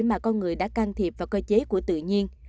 mà con người đã can thiệp vào cơ chế của tự nhiên